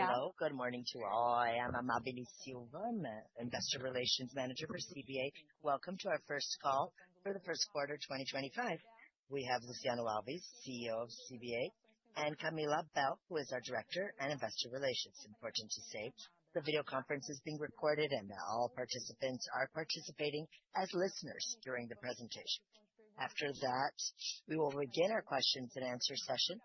Hello. Good morning to all. I am Amabile Silva, Investor Relations Manager for CBA. Welcome to our first call for the first quarter of 2025. We have Luciano Alves, CEO of CBA, and Camila Abel, who is our Director and Investor Relations. Important to say, the video conference is being recorded, and all participants are participating as listeners during the presentation. After that, we will begin our questions and answers session.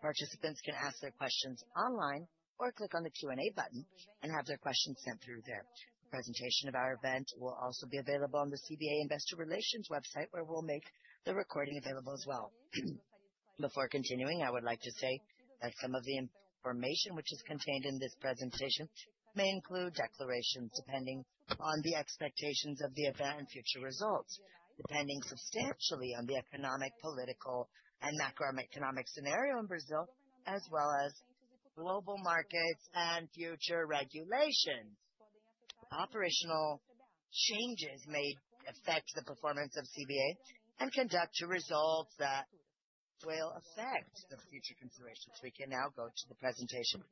Participants can ask their questions online or click on the Q&A button and have their questions sent through there. The presentation of our event will also be available on the CBA Investor Relations website, where we will make the recording available as well. Before continuing, I would like to say that some of the information which is contained in this presentation may include declarations depending on the expectations of the event and future results, depending substantially on the economic, political, and macroeconomic scenario in Brazil, as well as global markets and future regulations. Operational changes may affect the performance of CBA and conduct results that will affect the future considerations. We can now go to the presentation.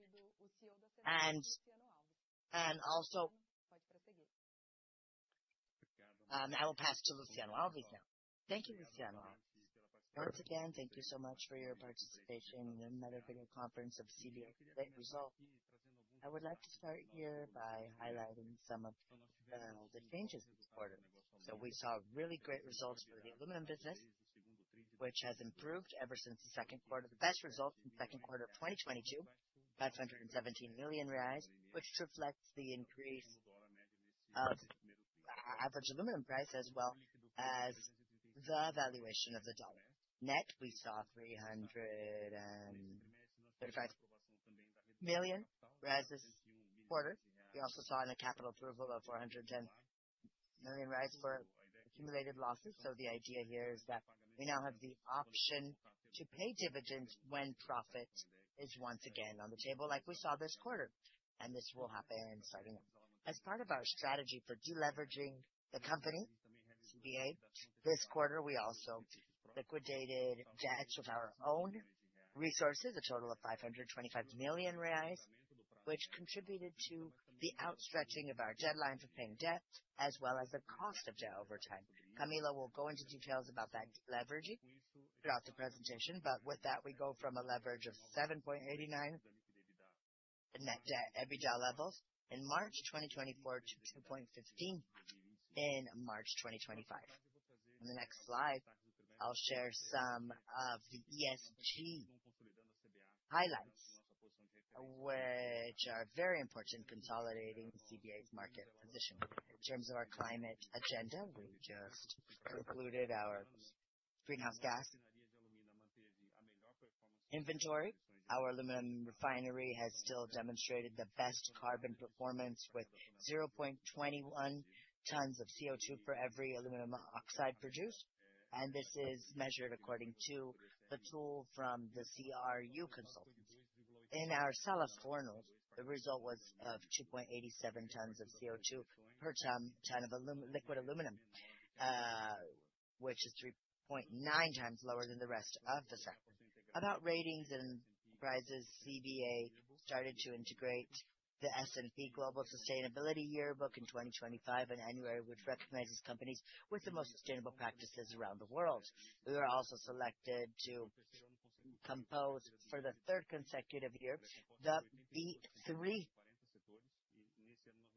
I will pass to Luciano Alves now. Thank you, Luciano Alves. Once again, thank you so much for your participation in another video conference of CBA's great results. I would like to start here by highlighting some of the changes this quarter. We saw really great results for the aluminum business, which has improved ever since the second quarter. The best result in the second quarter of 2022, 517 million reais, which reflects the increase of average aluminum price as well as the valuation of the dollar. Net, we saw 335 million, BRL 400. We also saw in the capital approval of 410 million for accumulated losses. The idea here is that we now have the option to pay dividends when profit is once again on the table, like we saw this quarter, and this will happen starting up. As part of our strategy for deleveraging the company, CBA, this quarter, we also liquidated debt with our own resources, a total of 525 million reais, which contributed to the outstretching of our deadline for paying debt, as well as the cost of debt over time. Camila will go into details about that deleveraging throughout the presentation, but with that, we go from a leverage of 7.89 net debt at every job level in March 2024 to 2.15 in March 2025. On the next slide, I'll share some of the ESG highlights, which are very important in consolidating CBA's market position. In terms of our climate agenda, we just concluded our greenhouse gas inventory. Our aluminum refinery has still demonstrated the best carbon performance with 0.21 tons of CO2 for every aluminum oxide produced, and this is measured according to the tool from the CRU Group consultant. In our Sela furnaces, the result was of 2.87 tons of CO2 per ton of liquid aluminum, which is 3.9 times lower than the rest of the SEC. About ratings and prizes, CBA started to integrate the S&P Global Sustainability Yearbook in 2025, an annual year which recognizes companies with the most sustainable practices around the world. We were also selected to compose for the third consecutive year the B3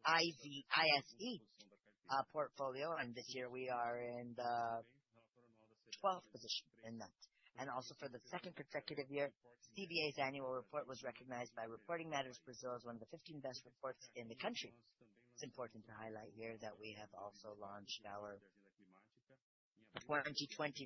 ISE portfolio, and this year we are in the 12th position in that. Also, for the second consecutive year, CBA's annual report was recognized by Reporting Matters Brazil as one of the 15 best reports in the country. It's important to highlight here that we have also launched our 2024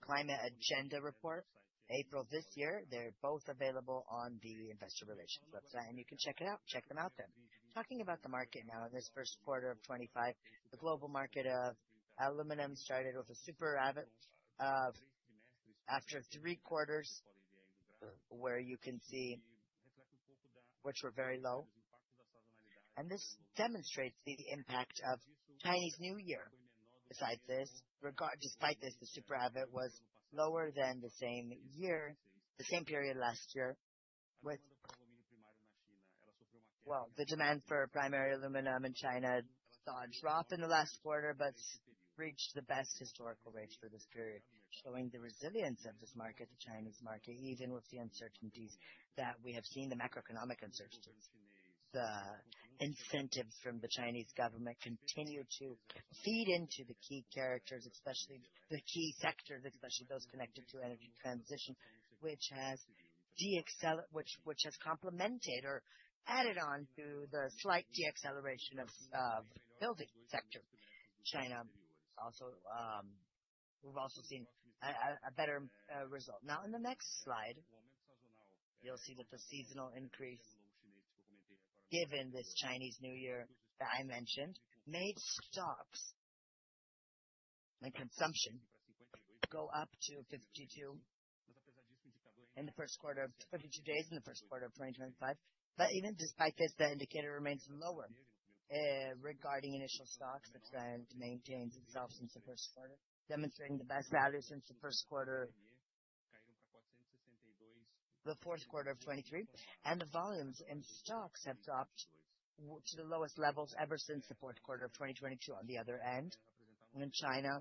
Climate Agenda report April this year. They're both available on the Investor Relations website, and you can check it out. Check them out there. Talking about the market now, in this first quarter of 2025, the global market of aluminum started with a super rapid after three quarters, where you can see which were very low. This demonstrates the impact of Chinese New Year. Besides this, despite this, the super rapid was lower than the same period last year. The demand for primary aluminum in China saw a drop in the last quarter, but reached the best historical rates for this period, showing the resilience of this market, the Chinese market, even with the uncertainties that we have seen, the macroeconomic uncertainties. The incentives from the Chinese government continue to feed into the key sectors, especially those connected to energy transition, which has complemented or added on to the slight deacceleration of the building sector. We have also seen a better result. Now, on the next slide, you'll see that the seasonal increase, given this Chinese New Year that I mentioned, made stocks and consumption go up to 52 in the first quarter of 52 days in the first quarter of 2025. Even despite this, the indicator remains lower regarding initial stocks and maintains itself since the first quarter, demonstrating the best value since the first quarter of 2023. The volumes in stocks have dropped to the lowest levels ever since the fourth quarter of 2022. On the other end, in China,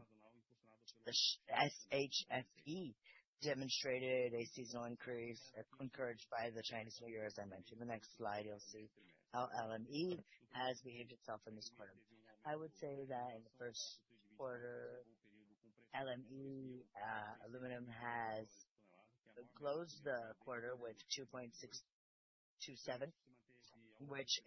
the SHFE demonstrated a seasonal increase encouraged by the Chinese New Year, as I mentioned. The next slide, you'll see how LME has behaved itself in this quarter. I would say that in the first quarter, LME Aluminum has closed the quarter with $2,627, which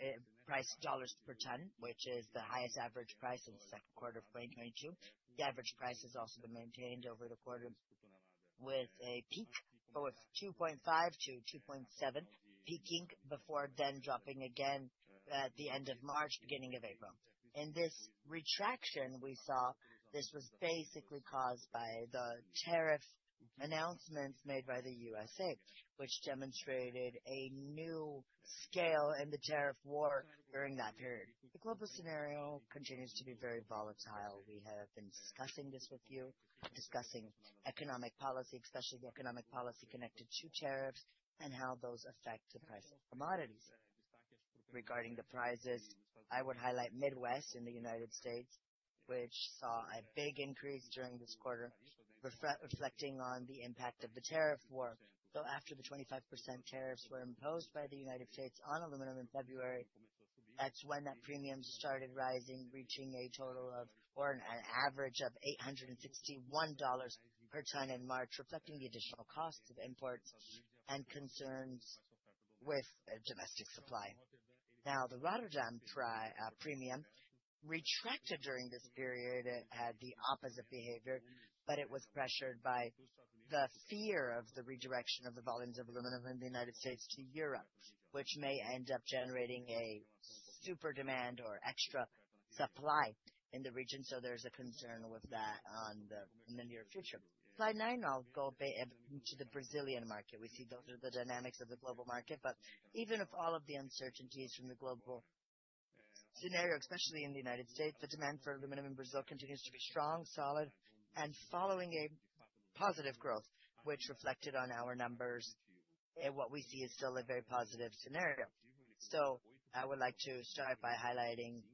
priced dollars per ton, which is the highest average price in the second quarter of 2022. The average price has also been maintained over the quarter with a peak of $2,500-$2,700, peaking before then dropping again at the end of March, beginning of April. In this retraction, we saw this was basically caused by the tariff announcements made by the U.S., which demonstrated a new scale in the tariff war during that period. The global scenario continues to be very volatile. We have been discussing this with you, discussing economic policy, especially the economic policy connected to tariffs and how those affect the price of commodities. Regarding the prices, I would highlight Midwest in the United States, which saw a big increase during this quarter, reflecting on the impact of the tariff war. After the 25% tariffs were imposed by the United States on aluminum in February, that's when that premium started rising, reaching a total of or an average of $861 per ton in March, reflecting the additional costs of imports and concerns with domestic supply. Now, the Rotterdam premium retracted during this period, had the opposite behavior, but it was pressured by the fear of the redirection of the volumes of aluminum in the United States to Europe, which may end up generating a super demand or extra supply in the region. There is a concern with that on the near future. Slide nine, I'll go into the Brazilian market. We see those are the dynamics of the global market, but even with all of the uncertainties from the global scenario, especially in the United States, the demand for aluminum in Brazil continues to be strong, solid, and following a positive growth, which reflected on our numbers. What we see is still a very positive scenario. I would like to start by highlighting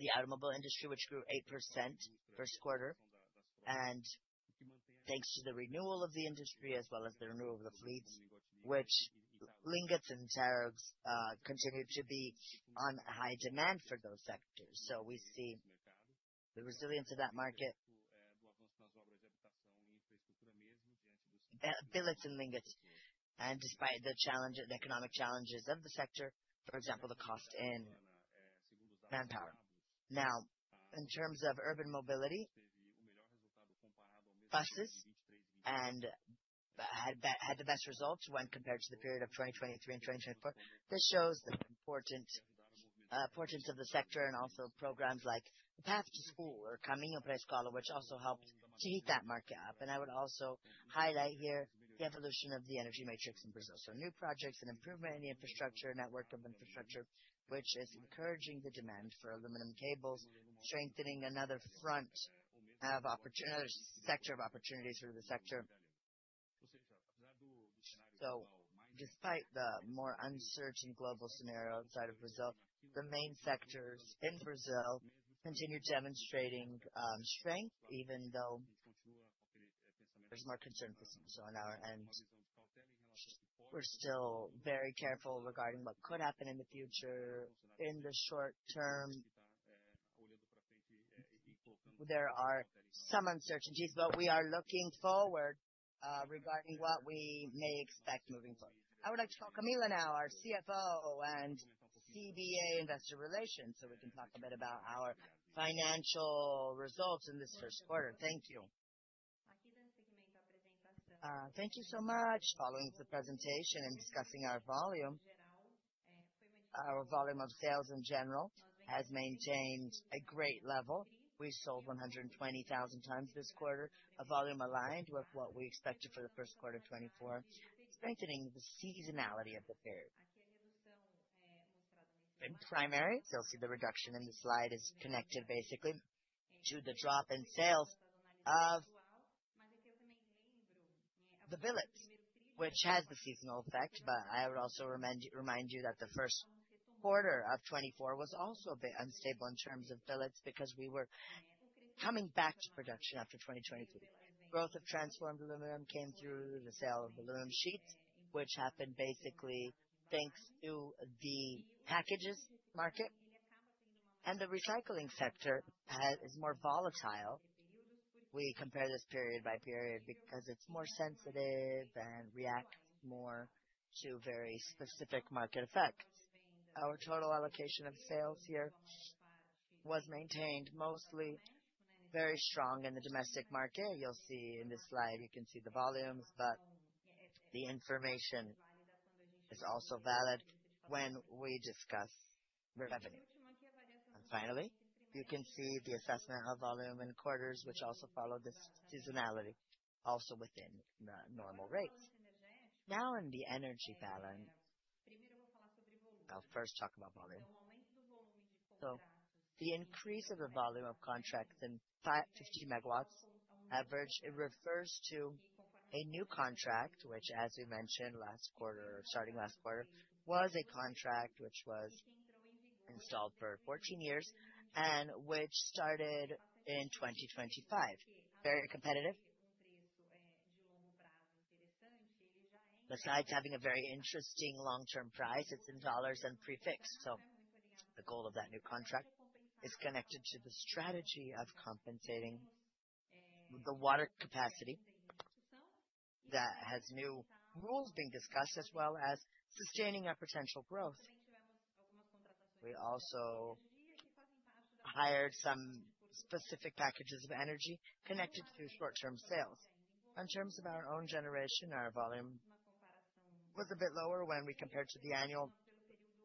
the automobile industry, which grew 8% first quarter. Thanks to the renewal of the industry, as well as the renewal of the fleets, which ingots and billets continue to be on high demand for those sectors. We see the resilience of that market, billets and ingots. Despite the economic challenges of the sector, for example, the cost in manpower. In terms of urban mobility, buses had the best results when compared to the period of 2023 and 2024. This shows the importance of the sector and also programs like the path to school or Caminho da Escola, which also helped to heat that market up. I would also highlight here the evolution of the energy matrix in Brazil. New projects and improvement in the infrastructure network of infrastructure, which is encouraging the demand for aluminum cables, are strengthening another sector of opportunities for the sector. Despite the more uncertain global scenario outside of Brazil, the main sectors in Brazil continue demonstrating strength, even though there's more concern for Brazil on our end. We're still very careful regarding what could happen in the future. In the short term, there are some uncertainties, but we are looking forward regarding what we may expect moving forward. I would like to call Camila now, our CFO and CBA Investor Relations, so we can talk a bit about our financial results in this first quarter. Thank you. Thank you so much. Following the presentation and discussing our volume, our volume of sales in general has maintained a great level. We sold 120,000 tons this quarter, a volume aligned with what we expected for the first quarter of 2024, strengthening the seasonality of the period. In primary, you'll see the reduction in the slide is connected basically to the drop in sales of the billets, which has the seasonal effect, but I would also remind you that the first quarter of 2024 was also a bit unstable in terms of billets because we were coming back to production after 2023. Growth of transformed aluminum came through the sale of aluminum sheets, which happened basically thanks to the packages market. The recycling sector is more volatile. We compare this period by period because it is more sensitive and reacts more to very specific market effects. Our total allocation of sales here was maintained mostly very strong in the domestic market. You will see in this slide, you can see the volumes, but the information is also valid when we discuss revenue. Finally, you can see the assessment of volume in quarters, which also followed this seasonality, also within normal rates. Now, in the energy balance, I will first talk about volume. The increase of the volume of contracts in 50 megawatts averaged, it refers to a new contract, which, as we mentioned, starting last quarter, was a contract which was installed for 14 years and which started in 2025. Very competitive. Besides having a very interesting long-term price, it is in dollars and prefixed. The goal of that new contract is connected to the strategy of compensating the water capacity that has new rules being discussed, as well as sustaining our potential growth. We also hired some specific packages of energy connected to short-term sales. In terms of our own generation, our volume was a bit lower when we compared to the annual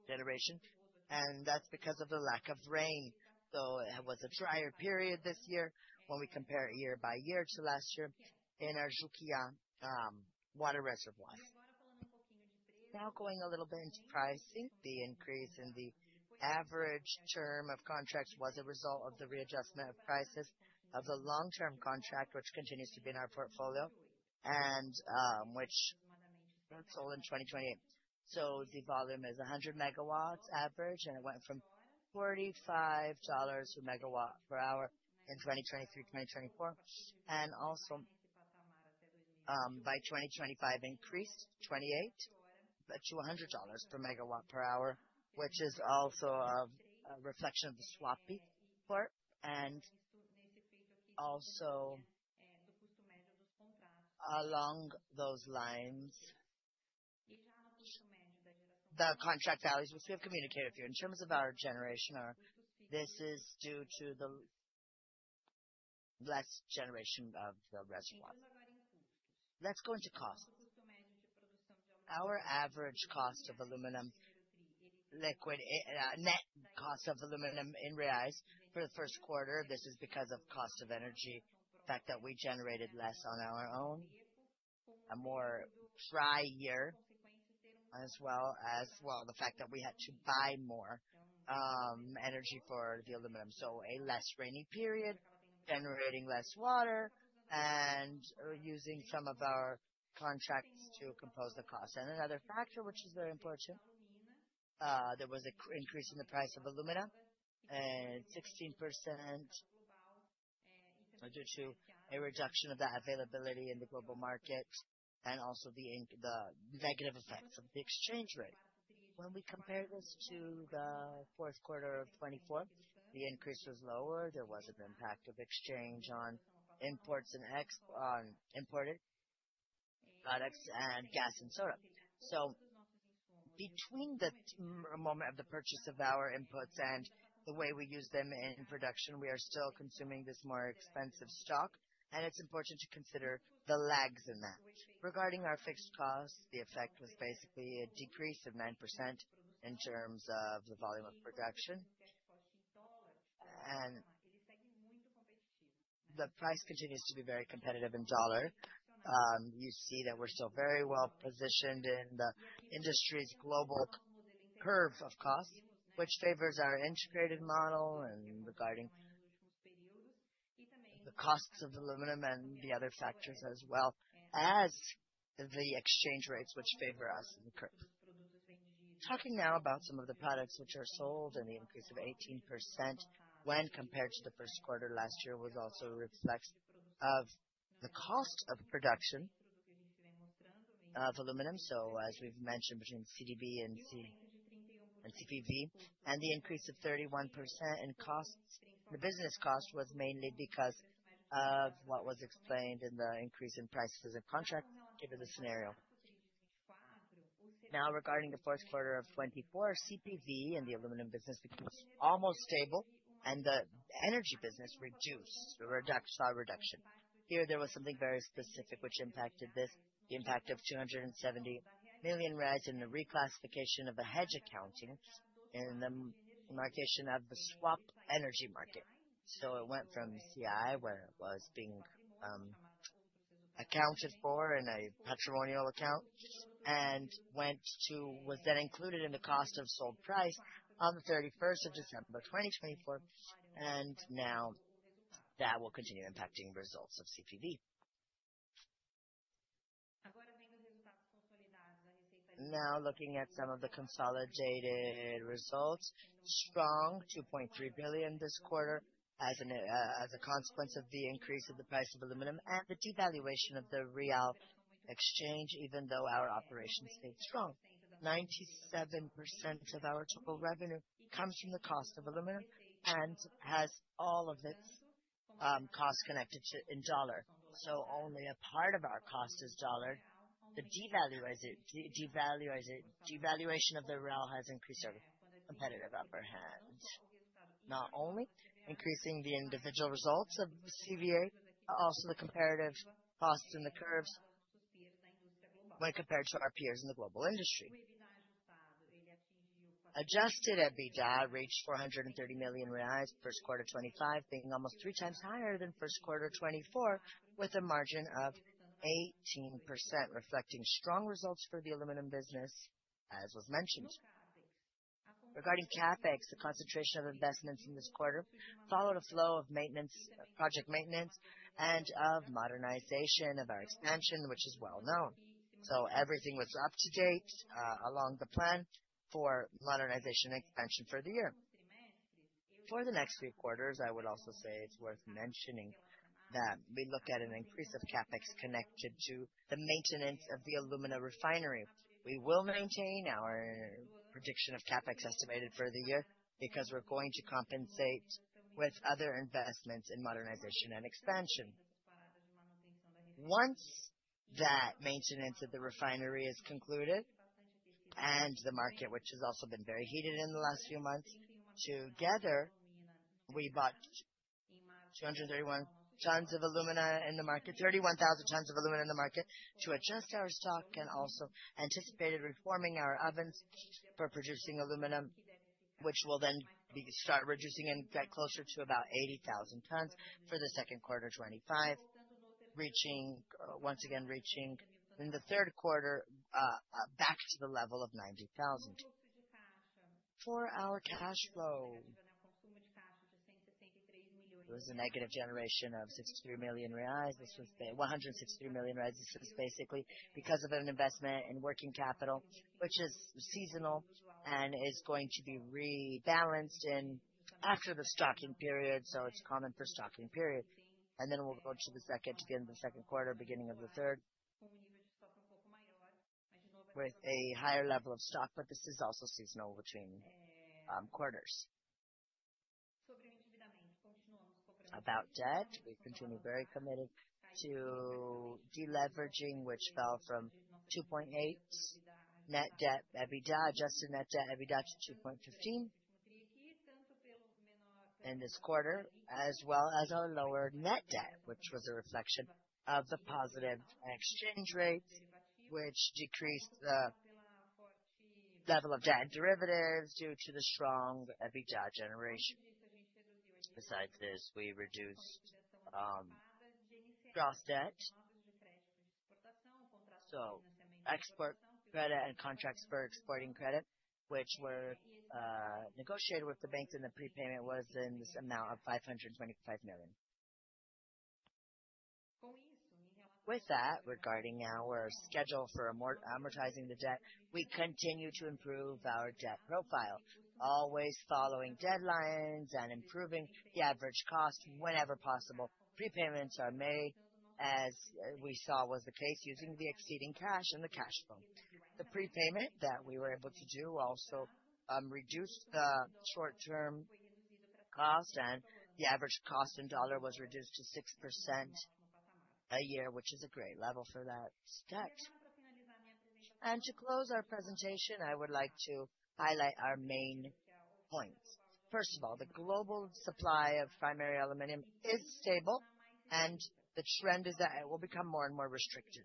generation, and that's because of the lack of rain. It was a drier period this year when we compare year by year to last year in our Juquia water reservoirs. Now, going a little bit into pricing, the increase in the average term of contracts was a result of the readjustment of prices of the long-term contract, which continues to be in our portfolio and which sold in 2028. The volume is 100 megawatts average, and it went from $45 per megawatt per hour in 2023-2024. By 2025, increased $28 to $100 per megawatt per hour, which is also a reflection of the swap peak part. Along those lines, the contract values, which we have communicated with you in terms of our generation, this is due to the less generation of the reservoir. Let's go into cost. Our average cost of aluminum liquid, net cost of aluminum in Reais for the first quarter, this is because of cost of energy, the fact that we generated less on our own, a more dry year, as well as the fact that we had to buy more energy for the aluminum. A less rainy period, generating less water and using some of our contracts to compose the cost. Another factor, which is very important, there was an increase in the price of alumina, 16% due to a reduction of that availability in the global market and also the negative effects of the exchange rate. When we compare this to the fourth quarter of 2024, the increase was lower. There was an impact of exchange on imported products and gas and soda. Between the moment of the purchase of our inputs and the way we use them in production, we are still consuming this more expensive stock, and it's important to consider the lags in that. Regarding our fixed costs, the effect was basically a decrease of 9% in terms of the volume of production. The price continues to be very competitive in dollar. You see that we're still very well positioned in the industry's global curve of cost, which favors our integrated model, and regarding the costs of aluminum and the other factors as well as the exchange rates, which favor us in the curve. Talking now about some of the products which are sold and the increase of 18% when compared to the first quarter last year was also a reflection of the cost of production of aluminum. As we've mentioned, between CBA and CPV and the increase of 31% in costs, the business cost was mainly because of what was explained in the increase in prices of contracts given the scenario. Now, regarding the fourth quarter of 2024, CPV and the aluminum business became almost stable, and the energy business reduced or saw a reduction. Here, there was something very specific which impacted this, the impact of 270 million in the reclassification of the hedge accounting in the mark-to-market of the swap energy market. It went from CI, where it was being accounted for in a patrimonial account, and was then included in the cost of sold price on December 31, 2024. That will continue impacting results of CPV. Now, looking at some of the consolidated results, strong, 2.3 billion this quarter as a consequence of the increase of the price of aluminum and the devaluation of the Real exchange, even though our operations stayed strong. 97% of our total revenue comes from the cost of aluminum and has all of its costs connected in dollar. Only a part of our cost is dollared. The devaluation of the Real has increased our competitive upper hand, not only increasing the individual results of CBA, but also the comparative costs in the curves when compared to our peers in the global industry. Adjusted EBITDA reached 430 million reais the first quarter of 2025, being almost three times higher than first quarter of 2024, with a margin of 18%, reflecting strong results for the aluminum business, as was mentioned. Regarding CapEx, the concentration of investments in this quarter followed a flow of project maintenance and of modernization of our expansion, which is well known. Everything was up to date along the plan for modernization and expansion for the year. For the next three quarters, I would also say it's worth mentioning that we look at an increase of CapEx connected to the maintenance of the alumina refinery. We will maintain our prediction of CapEx estimated for the year because we're going to compensate with other investments in modernization and expansion. Once that maintenance of the refinery is concluded and the market, which has also been very heated in the last few months, together, we bought 231,000 tons of alumina in the market to adjust our stock and also anticipated reforming our ovens for producing aluminum, which will then start reducing and get closer to about 80,000 tons for the second quarter of 2025, once again reaching in the third quarter back to the level of 90,000. For our cash flow, there was a negative generation of 163 million reais. This was 163 million reais. This is basically because of an investment in working capital, which is seasonal and is going to be rebalanced after the stocking period. It is common for stocking period. We will go to the beginning of the second quarter, beginning of the third, with a higher level of stock, but this is also seasonal between quarters. About debt, we continue very committed to deleveraging, which fell from 2.8 net debt EBITDA, adjusted net debt EBITDA to 2.15 in this quarter, as well as our lower net debt, which was a reflection of the positive exchange rate, which decreased the level of debt derivatives due to the strong EBITDA generation. Besides this, we reduced cross-debt, export credit and contracts for exporting credit, which were negotiated with the banks, and the prepayment was in this amount of 525 million. With that, regarding our schedule for amortizing the debt, we continue to improve our debt profile, always following deadlines and improving the average cost whenever possible. Prepayments are made, as we saw was the case, using the exceeding cash and the cash flow. The prepayment that we were able to do also reduced the short-term cost, and the average cost in dollar was reduced to 6% a year, which is a great level for that debt. To close our presentation, I would like to highlight our main points. First of all, the global supply of primary aluminum is stable, and the trend is that it will become more and more restricted.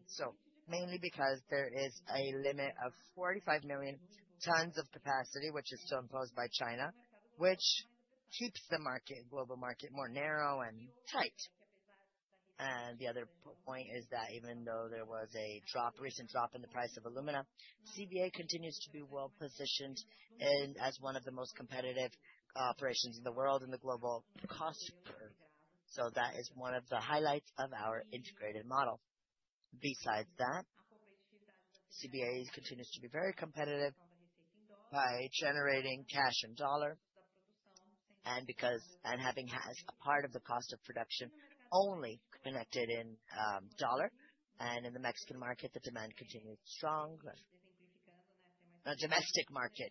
Mainly because there is a limit of 45 million tons of capacity, which is still imposed by China, which keeps the global market more narrow and tight. The other point is that even though there was a recent drop in the price of alumina, CBA continues to be well positioned as one of the most competitive operations in the world in the global cost curve. That is one of the highlights of our integrated model. Besides that, CBA continues to be very competitive by generating cash and dollar, and having a part of the cost of production only connected in dollar. In the Mexican market, the demand continues strong. In the domestic market,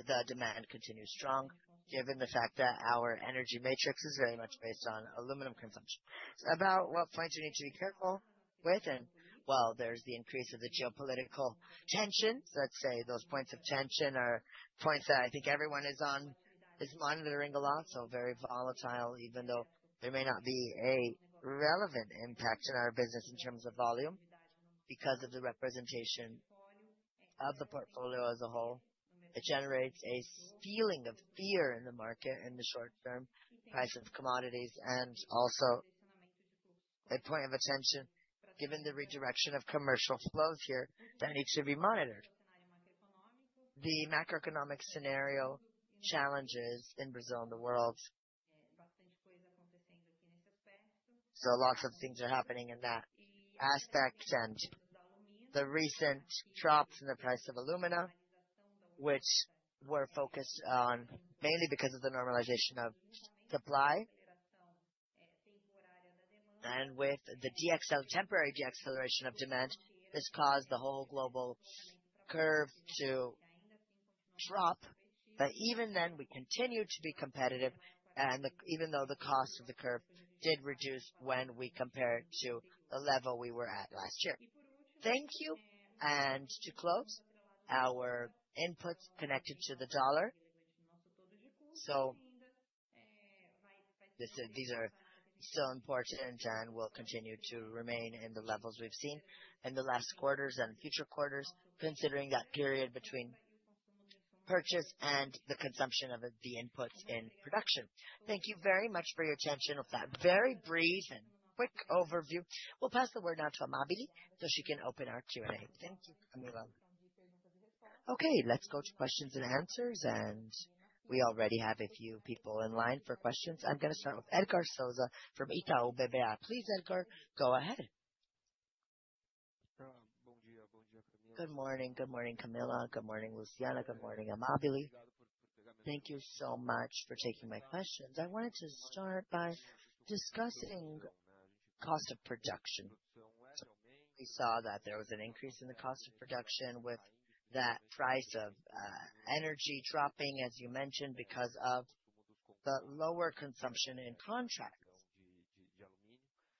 the demand continues strong, given the fact that our energy matrix is very much based on aluminum consumption. About what points we need to be careful with? There is the increase of the geopolitical tensions. Let's say those points of tension are points that I think everyone is monitoring a lot, so very volatile, even though there may not be a relevant impact in our business in terms of volume because of the representation of the portfolio as a whole. It generates a feeling of fear in the market in the short-term price of commodities and also a point of attention, given the redirection of commercial flows here that needs to be monitored. The macroeconomic scenario challenges in Brazil and the world. Lots of things are happening in that aspect, and the recent drops in the price of alumina, which were focused on mainly because of the normalization of supply and with the temporary de-acceleration of demand, this caused the whole global curve to drop. Even then, we continue to be competitive, even though the cost of the curve did reduce when we compare to the level we were at last year. Thank you. To close, our inputs connected to the dollar. These are still important and will continue to remain in the levels we've seen in the last quarters and future quarters, considering that period between purchase and the consumption of the inputs in production. Thank you very much for your attention. That very brief and quick overview. We'll pass the word now to Amabile, so she can open our Q&A. Thank you, Camila. Okay, let's go to questions and answers, and we already have a few people in line for questions. I'm going to start with Edgar Souza from Itaú BBA. Please, Edgar, go ahead. Good morning. Good morning, Camila. Good morning, Luciano. Good morning, Amabile. Thank you so much for taking my questions. I wanted to start by discussing cost of production. We saw that there was an increase in the cost of production with that price of energy dropping, as you mentioned, because of the lower consumption in contracts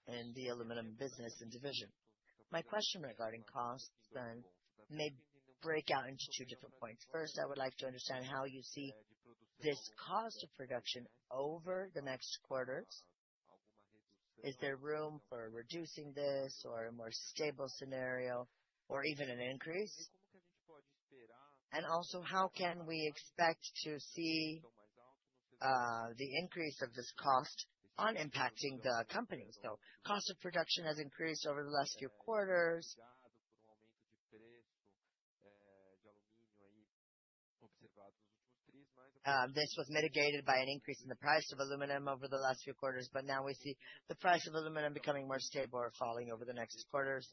in the aluminum business and division. My question regarding costs then may break out into two different points. First, I would like to understand how you see this cost of production over the next quarters. Is there room for reducing this or a more stable scenario or even an increase? Also, how can we expect to see the increase of this cost on impacting the company? Cost of production has increased over the last few quarters. This was mitigated by an increase in the price of aluminum over the last few quarters, but now we see the price of aluminum becoming more stable or falling over the next quarters.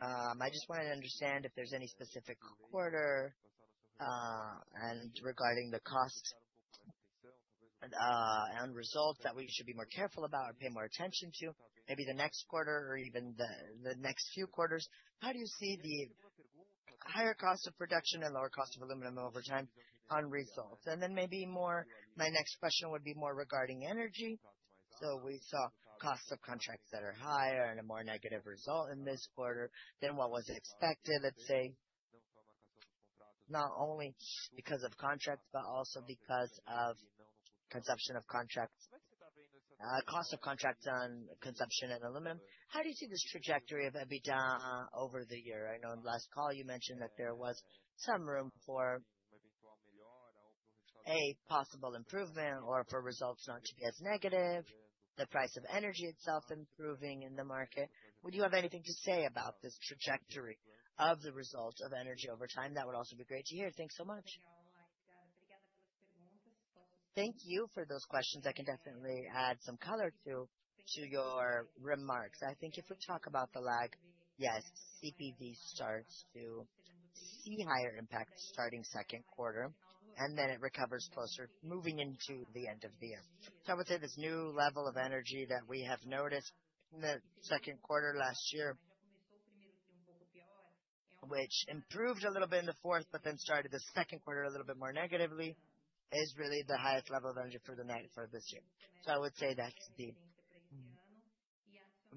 I just wanted to understand if there is any specific quarter and regarding the cost and results that we should be more careful about or pay more attention to, maybe the next quarter or even the next few quarters. How do you see the higher cost of production and lower cost of aluminum over time on results? My next question would be more regarding energy. We saw costs of contracts that are higher and a more negative result in this quarter than what was expected, not only because of contracts, but also because of consumption of contracts, cost of contracts on consumption and aluminum. How do you see this trajectory of EBITDA over the year? I know in the last call, you mentioned that there was some room for a possible improvement or for results not to be as negative, the price of energy itself improving in the market. Would you have anything to say about this trajectory of the results of energy over time? That would also be great to hear. Thanks so much. Thank you for those questions. I can definitely add some color to your remarks. I think if we talk about the lag, yes, CPV starts to see higher impact starting second quarter, and then it recovers closer, moving into the end of the year. I would say this new level of energy that we have noticed in the second quarter last year, which improved a little bit in the fourth, but then started the second quarter a little bit more negatively, is really the highest level of energy for this year. I would say that the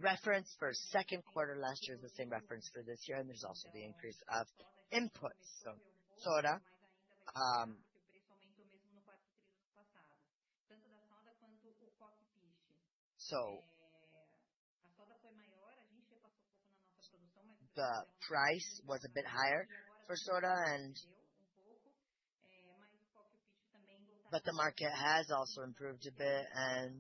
reference for second quarter last year is the same reference for this year, and there is also the increase of inputs. The price was a bit higher for soda and the market has also improved a bit for the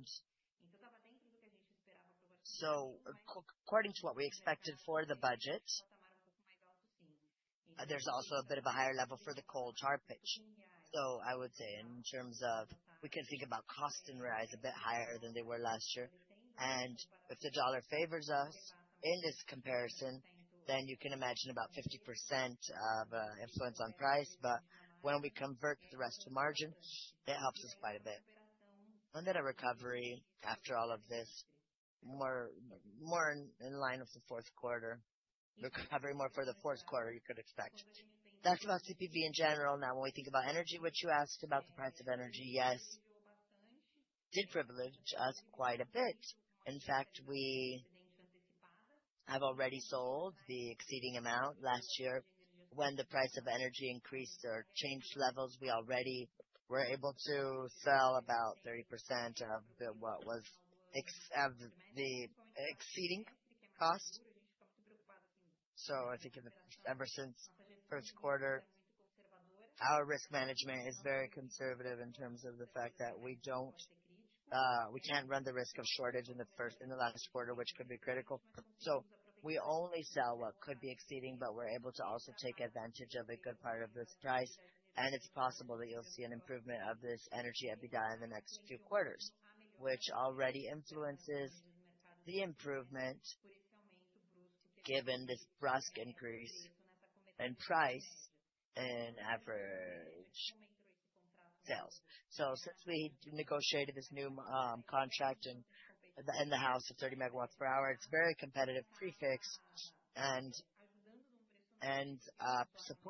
coal-char pitch. I would say in terms of we can think about cost and Reais a bit higher than they were last year. If the dollar favors us in this comparison, then you can imagine about 50% of influence on price. When we convert the rest of the margin, that helps us quite a bit. A recovery after all of this, more in line with the fourth quarter, recovery more for the fourth quarter, you could expect. That is about CPV in general. Now, when we think about energy, which you asked about the price of energy, yes, did privilege us quite a bit. In fact, I have already sold the exceeding amount last year. When the price of energy increased or changed levels, we already were able to sell about 30% of what was the exceeding cost. I think ever since first quarter, our risk management is very conservative in terms of the fact that we cannot run the risk of shortage in the last quarter, which could be critical. We only sell what could be exceeding, but we are able to also take advantage of a good part of this price. It is possible that you'll see an improvement of this energy EBITDA in the next few quarters, which already influences the improvement given this brusk increase in price and average sales. Since we negotiated this new contract in the house of 30 megawatts per hour, it is a very competitive prefix and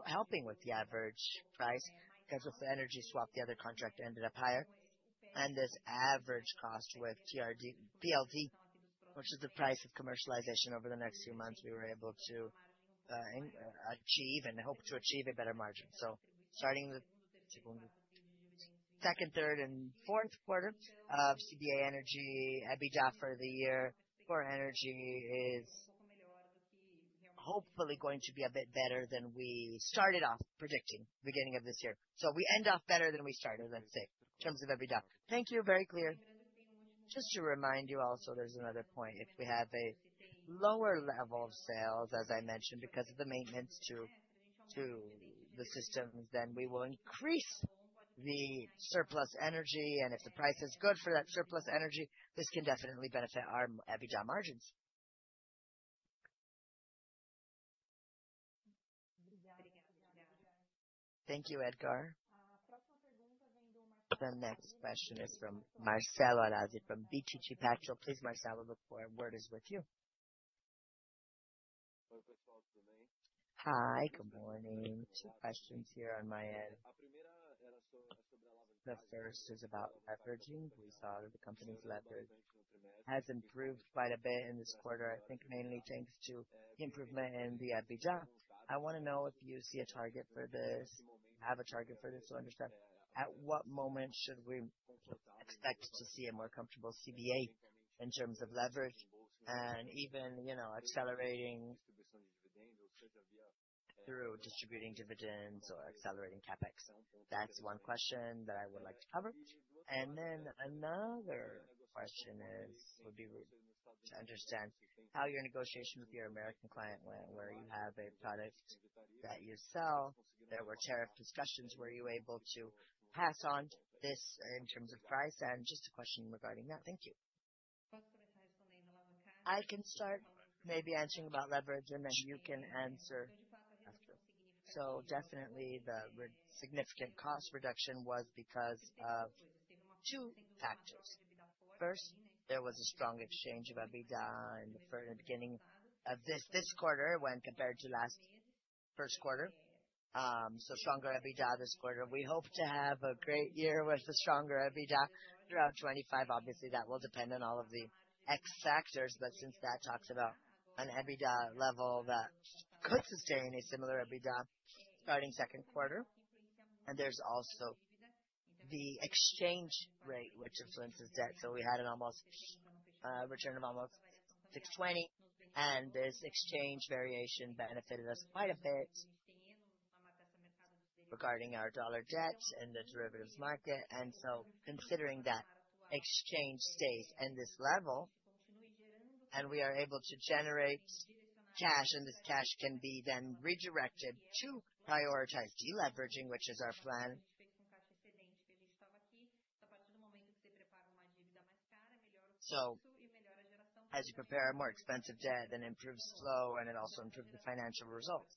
helping with the average price because of the energy swap, the other contract ended up higher. This average cost with TLD, which is the price of commercialization over the next few months, we were able to achieve and hope to achieve a better margin. Starting the second, third, and fourth quarter of CBA energy EBITDA for the year for energy is hopefully going to be a bit better than we started off predicting beginning of this year. We end off better than we started, let's say, in terms of EBITDA. Thank you. Very clear. Just to remind you also, there's another point. If we have a lower level of sales, as I mentioned, because of the maintenance to the systems, then we will increase the surplus energy. If the price is good for that surplus energy, this can definitely benefit our EBITDA margins. Thank you, Edgar. The next question is from Marcelo Arazzi from BTG Pactual. Please, Marcelo, look forward. Word is with you. Hi. Good morning. Two questions here on my end. The first is about leveraging. We saw that the company's leverage has improved quite a bit in this quarter, I think mainly thanks to the improvement in the EBITDA. I want to know if you see a target for this, have a target for this to understand at what moment should we expect to see a more comfortable CBA in terms of leverage and even accelerating through distributing dividends or accelerating CapEx. That is one question that I would like to cover. Another question would be to understand how your negotiation with your American client went, where you have a product that you sell. There were tariff discussions. Were you able to pass on this in terms of price? Just a question regarding that. Thank you. I can start maybe answering about leverage, and then you can answer after. Definitely, the significant cost reduction was because of two factors. First, there was a strong exchange of EBITDA for the beginning of this quarter when compared to last first quarter. Stronger EBITDA this quarter. We hope to have a great year with a stronger EBITDA throughout 2025. Obviously, that will depend on all of the X factors, but since that talks about an EBITDA level that could sustain a similar EBITDA starting second quarter. There is also the exchange rate, which influences debt. We had a return of almost $620, and this exchange variation benefited us quite a bit regarding our dollar debt and the derivatives market. Considering that exchange stays at this level and we are able to generate cash, this cash can then be redirected to prioritize deleveraging, which is our plan. As you prepare a more expensive debt and improve flow, it also improves the financial result.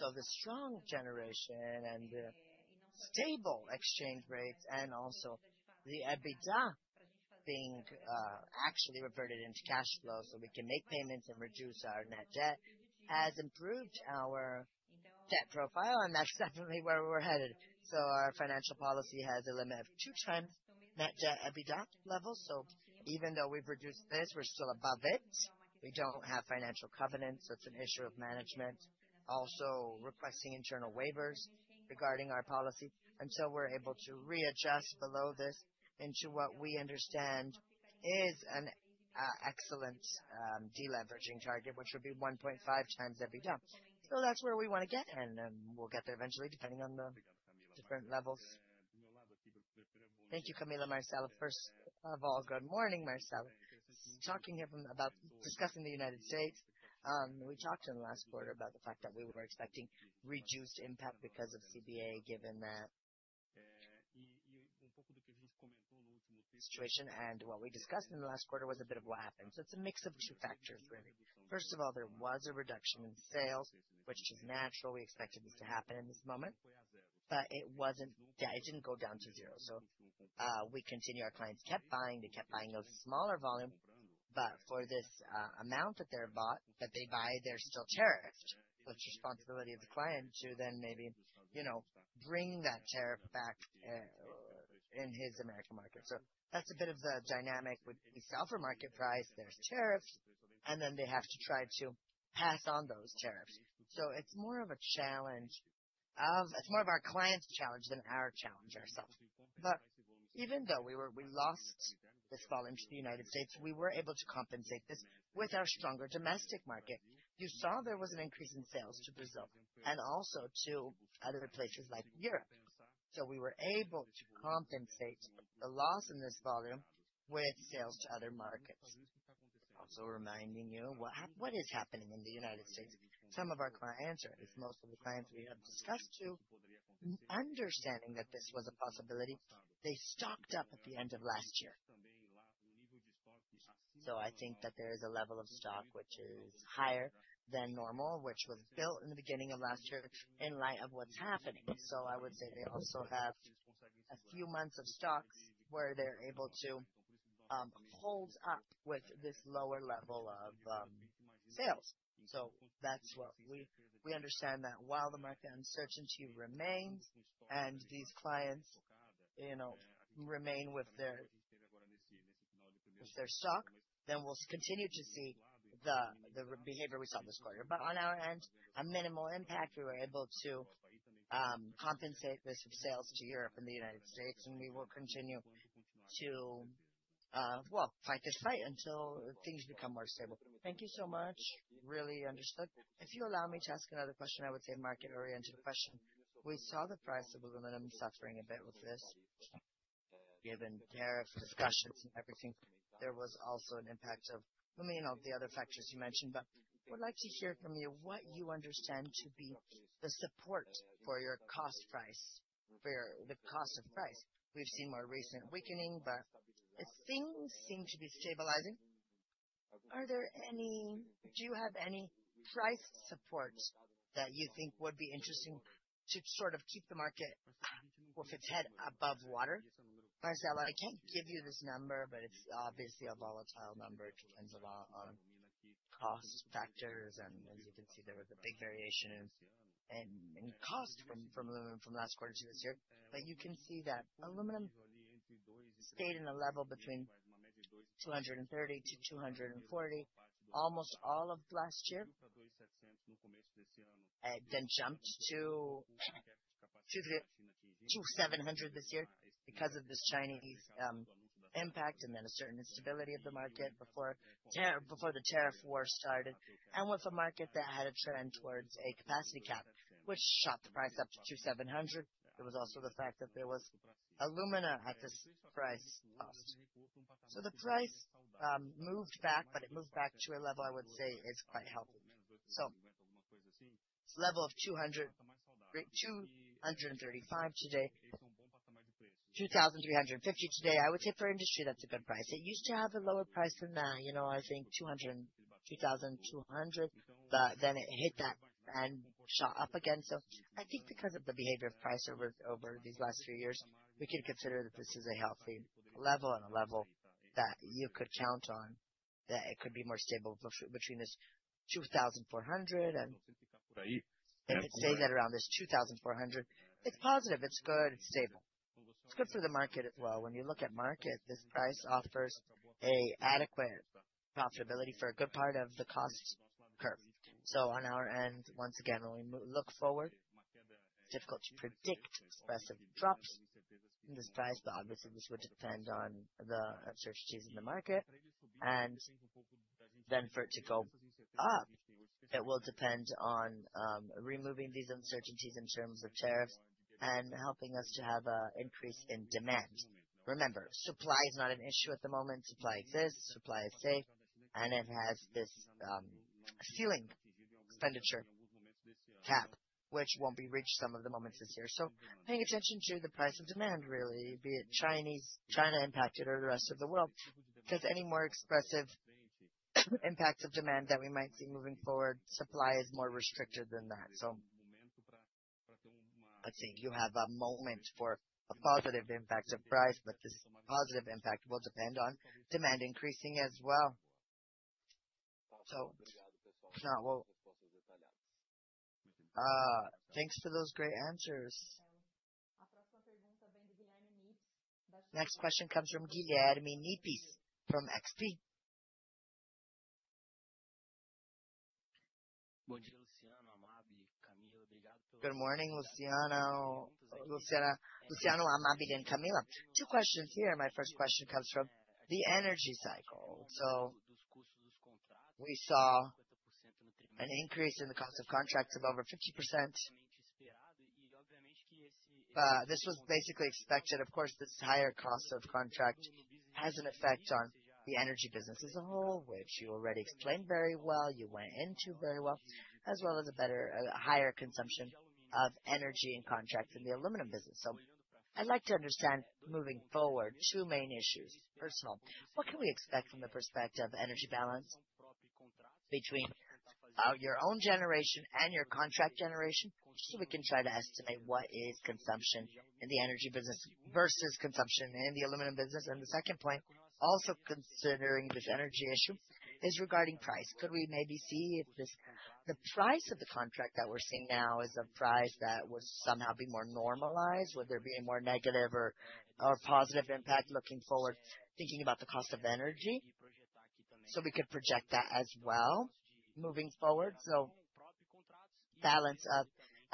The strong generation and stable exchange rates and also the EBITDA being actually reverted into cash flow so we can make payments and reduce our net debt has improved our debt profile, and that's definitely where we're headed. Our financial policy has a limit of two times net debt EBITDA levels. Even though we've reduced this, we're still above it. We don't have financial covenants. It's an issue of management also requesting internal waivers regarding our policy. We're able to readjust below this into what we understand is an excellent deleveraging target, which would be 1.5 times EBITDA. That's where we want to get, and we'll get there eventually depending on the different levels. Thank you, Camila. Marcelo, first of all, good morning, Marcelo. Talking about discussing the United States, we talked in the last quarter about the fact that we were expecting reduced impact because of CBA, given that situation, and what we discussed in the last quarter was a bit of what happened. It is a mix of two factors, really. First of all, there was a reduction in sales, which is natural. We expected this to happen in this moment, but it did not go down to zero. We continued; our clients kept buying. They kept buying those smaller volumes, but for this amount that they buy, they are still tariffed, which is the responsibility of the client to then maybe bring that tariff back in his American market. That is a bit of the dynamic. We sell for market price. There are tariffs, and then they have to try to pass on those tariffs. It is more of our client's challenge than our challenge ourselves. Even though we lost this volume to the United States, we were able to compensate this with our stronger domestic market. You saw there was an increase in sales to Brazil and also to other places like Europe. We were able to compensate the loss in this volume with sales to other markets. Also reminding you what is happening in the United States, some of our clients, or at least most of the clients we have discussed to, understanding that this was a possibility, they stocked up at the end of last year. I think that there is a level of stock which is higher than normal, which was built in the beginning of last year in light of what is happening. I would say they also have a few months of stocks where they're able to hold up with this lower level of sales. That's what we understand, that while the market uncertainty remains and these clients remain with their stock, we'll continue to see the behavior we saw this quarter. On our end, a minimal impact, we were able to compensate this sales to Europe and the United States, and we will continue to fight this fight until things become more stable. Thank you so much. Really understood. If you allow me to ask another question, I would say a market-oriented question. We saw the price of aluminum suffering a bit with this. Given tariff discussions and everything, there was also an impact of, I mean, the other factors you mentioned, but would like to hear from you what you understand to be the support for your cost price, for the cost of price. We've seen more recent weakening, but things seem to be stabilizing. Are there any—do you have any price support that you think would be interesting to sort of keep the market with its head above water? Marcelo, I can't give you this number, but it's obviously a volatile number. It depends a lot on cost factors. And as you can see, there was a big variation in cost from last quarter to this year. You can see that aluminum stayed in a level between $2,300 to $2,400 almost all of last year, then jumped to $2,700 this year because of this Chinese impact and then a certain instability of the market before the tariff war started. With a market that had a trend towards a capacity cap, which shot the price up to $2,700, there was also the fact that there was alumina at this price cost. The price moved back, but it moved back to a level I would say is quite healthy. It is level of $2,350 today, $2,350 today. I would say for industry, that's a good price. It used to have a lower price than that, I think, $2,200, but then it hit that and shot up again. I think because of the behavior of price over these last few years, we can consider that this is a healthy level and a level that you could count on, that it could be more stable between this $2,400 and if it stays at around this $2,400, it is positive. It is good. It is stable. It is good for the market as well. When you look at market, this price offers an adequate profitability for a good part of the cost curve. On our end, once again, when we look forward, it is difficult to predict expressive drops in this price, but obviously, this would depend on the uncertainties in the market. For it to go up, it will depend on removing these uncertainties in terms of tariffs and helping us to have an increase in demand. Remember, supply is not an issue at the moment. Supply exists. Supply is safe, and it has this ceiling expenditure cap, which will not be reached some of the moments this year. Paying attention to the price of demand, really, be it China impacted or the rest of the world, because any more expressive impacts of demand that we might see moving forward, supply is more restricted than that. Let's see. You have a moment for a positive impact of price, but this positive impact will depend on demand increasing as well. Thanks for those great answers. Next question comes from Guilherme Nipes from XP. Good morning, Luciano. Luciano, Amabile, and Camila. Two questions here. My first question comes from the energy cycle. We saw an increase in the cost of contracts of over 50%, but this was basically expected. Of course, this higher cost of contract has an effect on the energy business as a whole, which you already explained very well. You went into very well, as well as a better, higher consumption of energy and contracts in the aluminum business. I would like to understand moving forward two main issues. First, what can we expect from the perspective of energy balance between your own generation and your contract generation? We can try to estimate what is consumption in the energy business versus consumption in the aluminum business. The second point, also considering this energy issue, is regarding price. Could we maybe see if the price of the contract that we are seeing now is a price that would somehow be more normalized? Would there be a more negative or positive impact looking forward, thinking about the cost of energy? We could project that as well moving forward. Balance of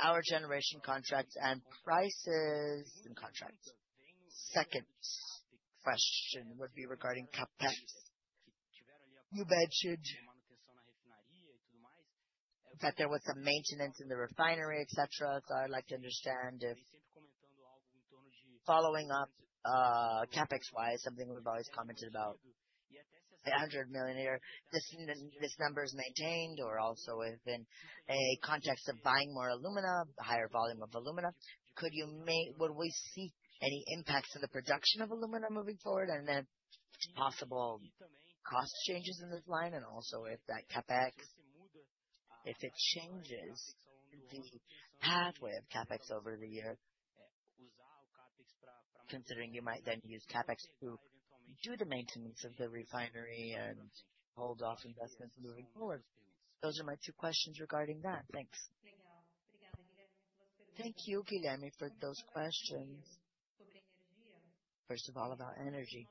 our generation contracts and prices and contracts. Second question would be regarding CapEx, that there was some maintenance in the refinery, etc. I would like to understand if, following up CapEx-wise, something we have always commented about, 800 million a year. This number is maintained or also within a context of buying more alumina, a higher volume of alumina. Would we see any impacts in the production of alumina moving forward and then possible cost changes in this line? Also, if that CapEx, if it changes the pathway of CapEx over the year, considering you might then use CapEx to do the maintenance of the refinery and hold off investments moving forward. Those are my two questions regarding that. Thanks. Thank you, Guilherme, for those questions. First of all, about energy.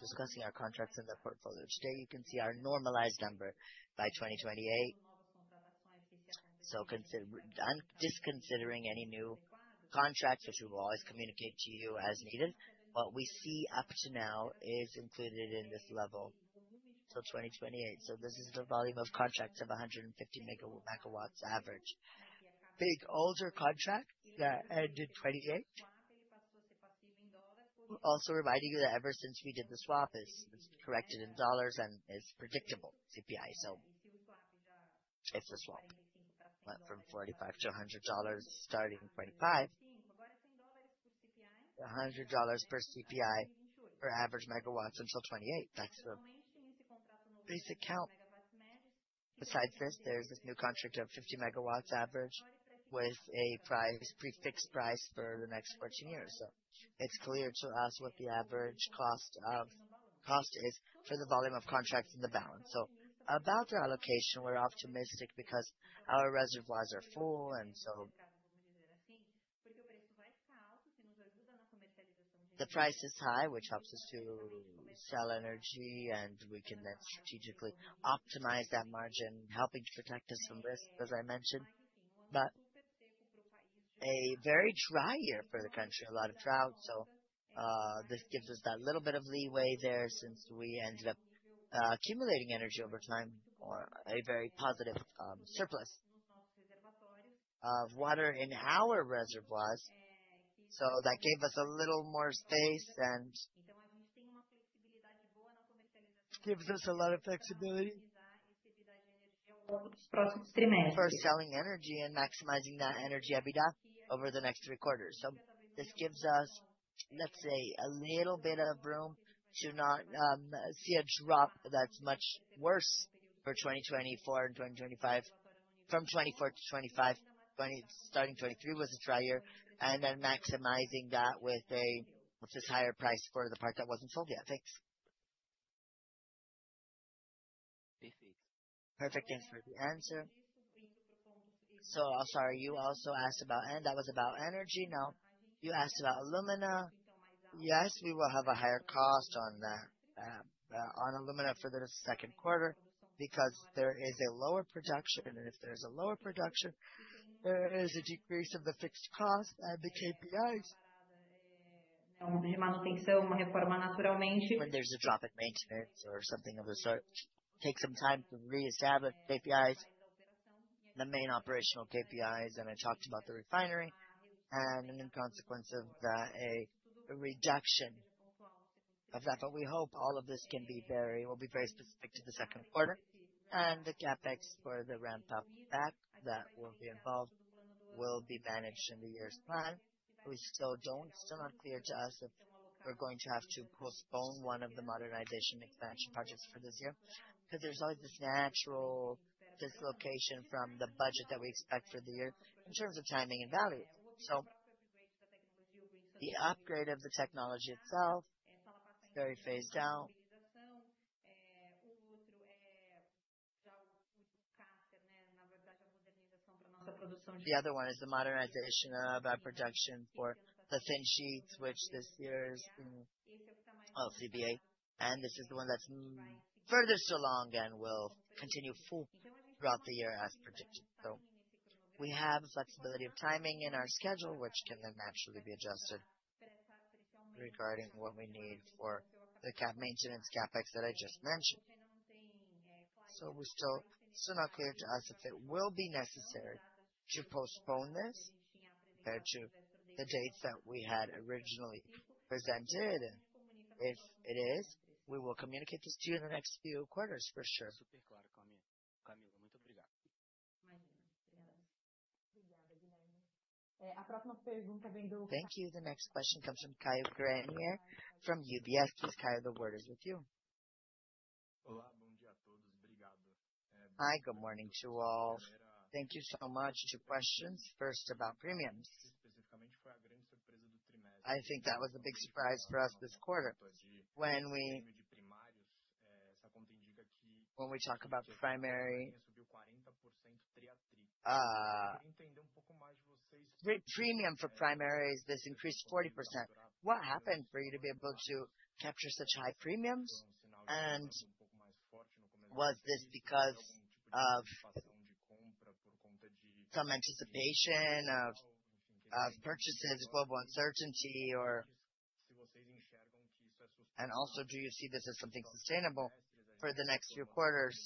Discussing our contracts in the portfolio today, you can see our normalized number by 2028. I'm disconsidering any new contracts, which we will always communicate to you as needed. What we see up to now is included in this level until 2028. This is the volume of contracts of 150 megawatts average. Big older contract that ended 2028. Also reminding you that ever since we did the swap, it is corrected in dollars and it is predictable CPI. It is a swap from $45 to $100 starting 2025. $100 per CPI for average megawatts until 2028. That is the basic count. Besides this, there is this new contract of 50 megawatts average with a fixed price for the next 14 years. It is clear to us what the average cost is for the volume of contracts in the balance. About the allocation, we're optimistic because our reservoirs are full. The price is high, which helps us to sell energy, and we can then strategically optimize that margin, helping to protect us from risk, as I mentioned. A very dry year for the country, a lot of drought. This gives us that little bit of leeway there since we ended up accumulating energy over time, a very positive surplus of water in our reservoirs. That gave us a little more space and gives us a lot of flexibility for selling energy and maximizing that energy EBITDA over the next three quarters. This gives us, let's say, a little bit of room to not see a drop that's much worse for 2024 and 2025. From 2024 to 2025, starting 2023 was a dry year, and then maximizing that with this higher price for the part that was not sold yet. Thanks. Perfect. Thanks for the answer. I'm sorry, you also asked about, and that was about energy. Now, you asked about alumina. Yes, we will have a higher cost on that, on alumina for the second quarter because there is a lower production. If there is a lower production, there is a decrease of the fixed cost and the KPIs. When there is a drop in maintenance or something of the sort, it takes some time to reestablish the main operational KPIs. I talked about the refinery, and in consequence of that, a reduction of that. We hope all of this can be very—will be very specific to the second quarter. The CapEx for the ramp-up back that will be involved will be managed in the year's plan. We still do not—still not clear to us if we are going to have to postpone one of the modernization expansion projects for this year because there is always this natural dislocation from the budget that we expect for the year in terms of timing and value. The upgrade of the technology itself is very phased out. The other one is the modernization of our production for the fin sheets, which this year is CBA, and this is the one that is further still on and will continue full throughout the year as predicted. We have a flexibility of timing in our schedule, which can then naturally be adjusted regarding what we need for the cap maintenance CapEx that I just mentioned. We're still not clear to us if it will be necessary to postpone this compared to the dates that we had originally presented. If it is, we will communicate this to you in the next few quarters, for sure. Hi, good morning to you all. Thank you so much for questions. First, about premiums. I think that was a big surprise for us this quarter. When we talk about the primary, when we talk about premiums for primary, this increased 40%. What happened for you to be able to capture such high premiums? Was this because of some anticipation of purchases, global uncertainty, or—also, do you see this as something sustainable for the next few quarters?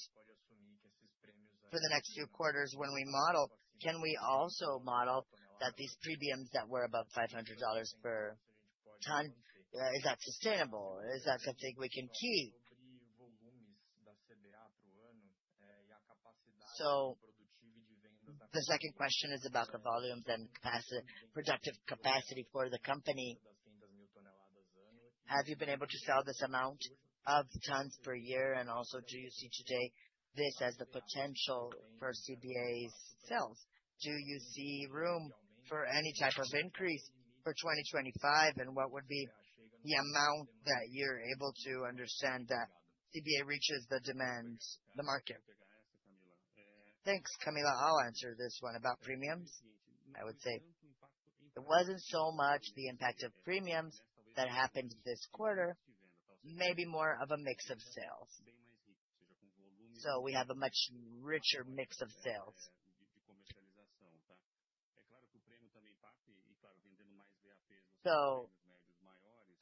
For the next few quarters, when we model, can we also model that these premiums that were above $500 per ton—is that sustainable? Is that something we can keep? The second question is about the volumes and productive capacity for the company. Have you been able to sell this amount of tons per year? Also, do you see today this as the potential for CBA's sales? Do you see room for any type of increase for 2025? What would be the amount that you are able to understand that CBA reaches the demand, the market? Thanks, Camila. I'll answer this one about premiums. I would say it was not so much the impact of premiums that happened this quarter, maybe more of a mix of sales. We have a much richer mix of sales.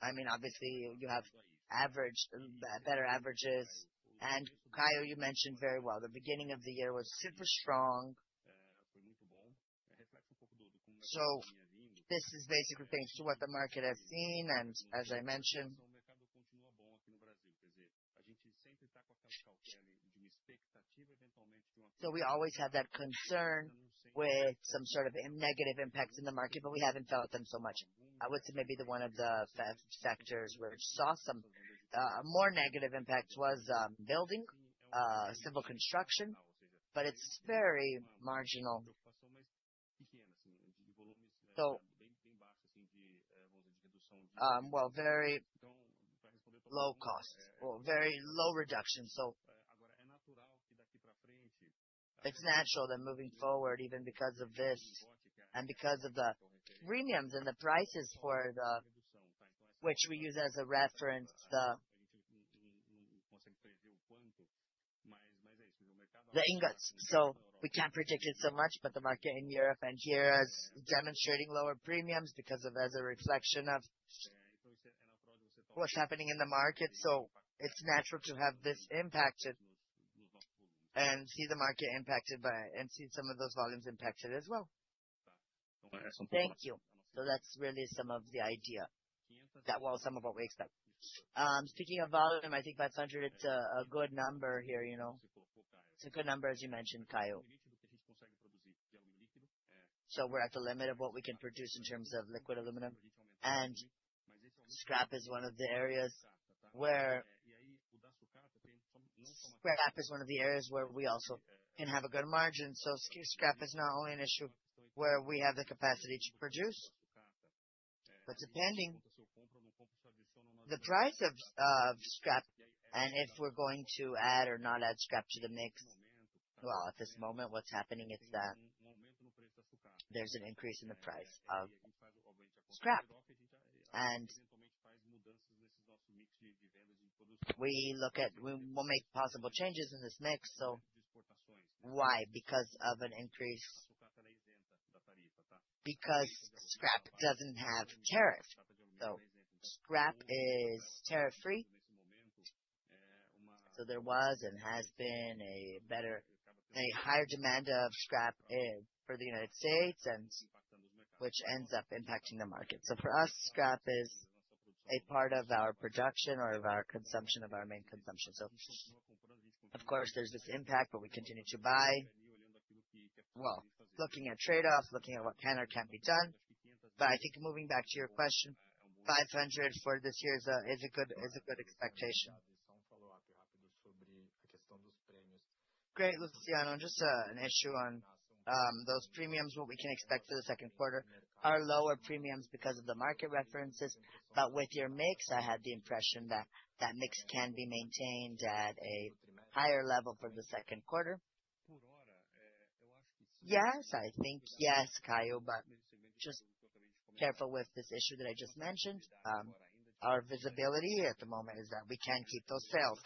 I mean, obviously, you have better averages. Caio, you mentioned very well, the beginning of the year was super strong. We always have that concern with some sort of negative impacts in the market, but we have not felt them so much. I would say maybe one of the factors where we saw some more negative impacts was building, civil construction, but it is very marginal. So very low cost, very low reduction. It is natural that moving forward, even because of this and because of the premiums and the prices for the—which we use as a reference—the ingress. We cannot predict it so much, but the market in Europe and here is demonstrating lower premiums as a reflection of what is happening in the market. It is natural to have this impacted and see the market impacted by and see some of those volumes impacted as well. Thank you. That is really some of the idea that, well, some of what we expect. Speaking of volume, I think 500 is a good number here. It is a good number, as you mentioned, Caio. We're at the limit of what we can produce in terms of liquid aluminum. Scrap is one of the areas where we also can have a good margin. Scrap is not only an issue where we have the capacity to produce, but depending on the price of scrap and if we're going to add or not add scrap to the mix, at this moment, what's happening is that there's an increase in the price of scrap. We look at possible changes in this mix. Why? Because of an increase, because scrap doesn't have tariffs. Scrap is tariff-free. There was and has been a higher demand of scrap for the United States, which ends up impacting the market. For us, scrap is a part of our production or of our consumption, of our main consumption. Of course, there is this impact, but we continue to buy, looking at trade-offs, looking at what can or cannot be done. I think moving back to your question, 500 for this year is a good expectation. Great, Luciano. Just an issue on those premiums, what we can expect for the second quarter. Our lower premiums are because of the market references. With your mix, I had the impression that that mix can be maintained at a higher level for the second quarter. Yes, I think yes, Caio, but just careful with this issue that I just mentioned. Our visibility at the moment is that we can keep those sales.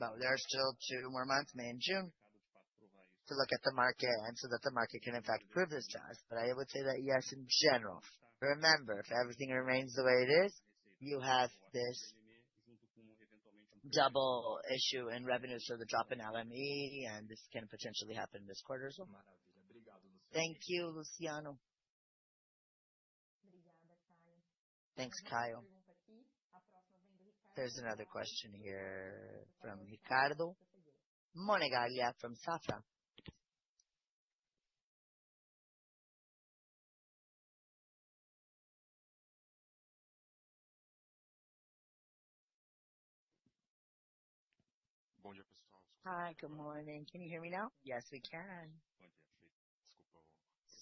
There are still two more months, May and June, to look at the market and so that the market can in fact prove this to us. I would say that yes, in general. Remember, if everything remains the way it is, you have this double issue in revenue, so the drop in LME, and this can potentially happen this quarter as well. Thank you, Luciano. Thanks, Caio. There is another question here from Ricardo. Hi, good morning. Can you hear me now? Yes, we can.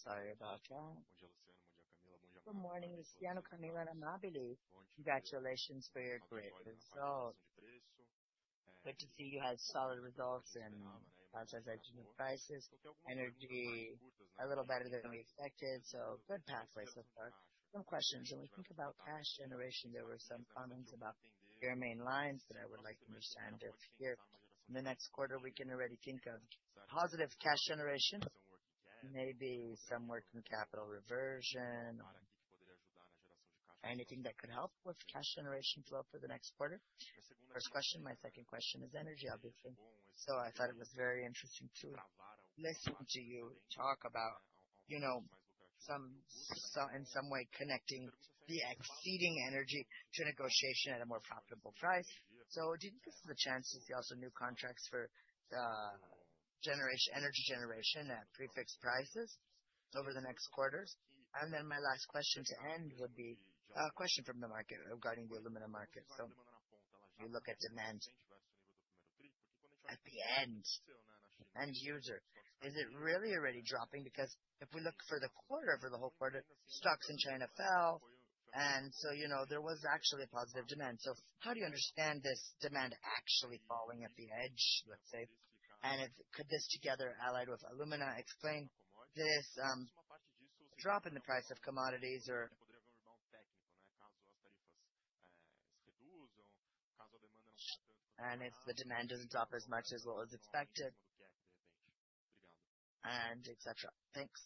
Sorry about that. Good morning, Luciano. Camila, good morning. Congratulations for your great result. Good to see you had solid results in prices. Energy a little better than we expected, so good pathway so far. Some questions. When we think about cash generation, there were some comments about your main lines that I would like to understand if here in the next quarter we can already think of positive cash generation, maybe some working capital reversion, anything that could help with cash generation flow for the next quarter. First question. My second question is energy, obviously. I thought it was very interesting to listen to you talk about some in some way connecting the exceeding energy to negotiation at a more profitable price. Do you think this is a chance to see also new contracts for energy generation at prefix prices over the next quarters? My last question to end would be a question from the market regarding the aluminum market. If you look at demand at the end, end user, is it really already dropping? Because if we look for the quarter, for the whole quarter, stocks in China fell, and so there was actually positive demand. How do you understand this demand actually falling at the edge, let's say? Could this together allied with alumina explain this drop in the price of commodities or etc.? Thanks.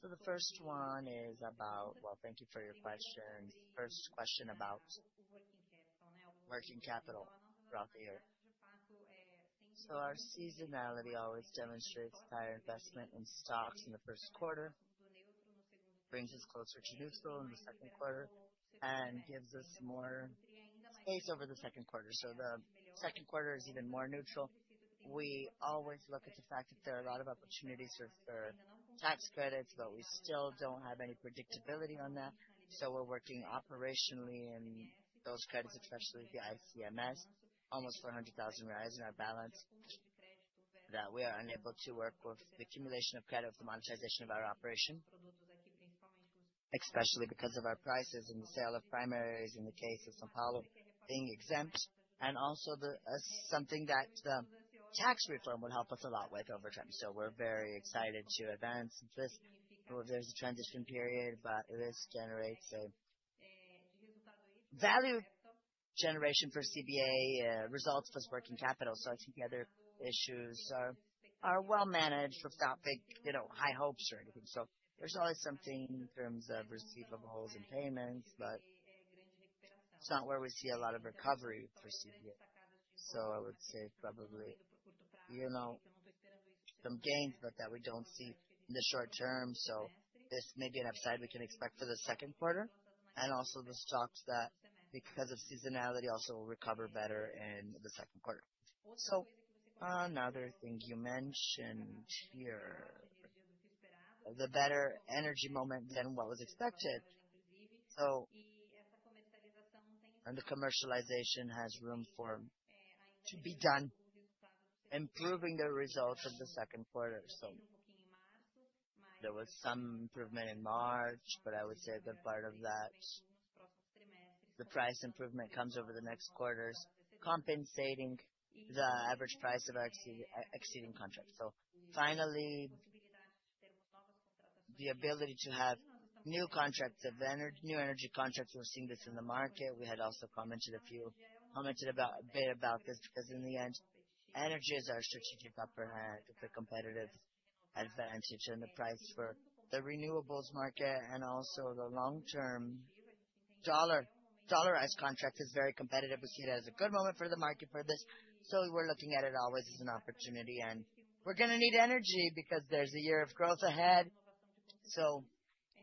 The first one is about, thank you for your question. First question about working capital right here. Our seasonality always demonstrates higher investment in stocks in the first quarter, brings us closer to neutral in the second quarter, and gives us more space over the second quarter. The second quarter is even more neutral. We always look at the fact that there are a lot of opportunities for tax credits, but we still do not have any predictability on that. We're working operationally in those credits, especially the ICMS, almost 400,000 reais in our balance that we are unable to work with the accumulation of credit for monetization of our operation, especially because of our prices and the sale of primaries in the case of São Paulo being exempt, and also something that the tax reform would help us a lot with over time. We're very excited to advance this. There's a transition period, but this generates a value generation for CBA results plus working capital. I think the other issues are well managed without big high hopes or anything. There's always something in terms of receipt of holes in payments, but it's not where we see a lot of recovery for CBA. I would say probably some gains, but that we don't see in the short term. This may be an upside we can expect for the second quarter, and also the stocks that because of seasonality also will recover better in the second quarter. Another thing you mentioned here, the better energy moment than what was expected, and the commercialization has room to be done, improving the results of the second quarter. There was some improvement in March, but I would say a good part of that, the price improvement comes over the next quarters, compensating the average price of exceeding contracts. Finally, the ability to have new contracts, new energy contracts, we are seeing this in the market. We had also commented a bit about this because in the end, energy is our strategic upper hand, the competitive advantage in the price for the renewables market, and also the long-term dollarized contract is very competitive. We see it as a good moment for the market for this. We are looking at it always as an opportunity, and we are going to need energy because there is a year of growth ahead.